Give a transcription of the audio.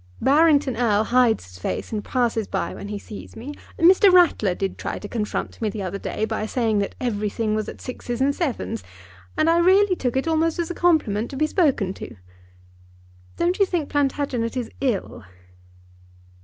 Barrington Erle hides his face and passes by when he sees me. Mr. Rattler did try to comfort me the other day by saying that everything was at sixes and sevens, and I really took it almost as a compliment to be spoken to. Don't you think Plantagenet is ill?"